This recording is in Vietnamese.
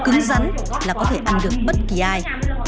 cứng rắn là có thể ăn được bất kỳ ai